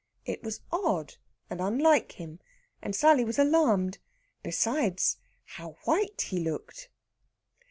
It was odd and unlike him, and Sally was alarmed. Besides, how white he looked!